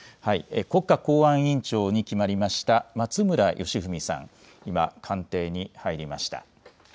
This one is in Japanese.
国家公安委員長に決まりました松村祥史さん、今、官邸に入りました。